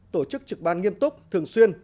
sáu tổ chức trực ban nghiêm túc thường xuyên